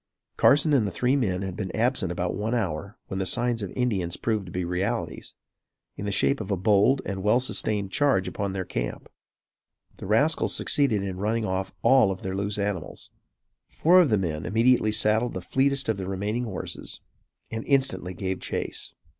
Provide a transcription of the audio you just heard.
Carson and the three men had been absent about one hour when the signs of Indians proved to be realities, in the shape of a bold and well sustained charge upon their camp. The rascals succeeded in running off all of their loose animals. Four of the men immediately saddled the fleetest of the remaining horses and instantly gave chase.